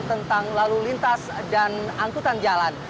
tentang lalu lintas dan angkutan jalan